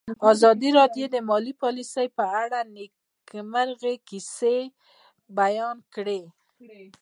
ازادي راډیو د مالي پالیسي په اړه د نېکمرغۍ کیسې بیان کړې.